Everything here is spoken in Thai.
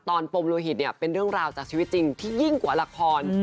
ปมโลหิตเนี่ยเป็นเรื่องราวจากชีวิตจริงที่ยิ่งกว่าละคร